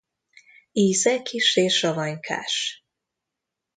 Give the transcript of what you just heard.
Íze kissé savanykás.